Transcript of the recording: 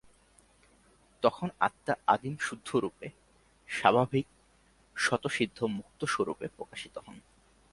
তখন আত্মা আদিম শুদ্ধরূপে, স্বাভাবিক স্বতঃসিদ্ধ মুক্তস্বরূপে প্রকাশিত হন।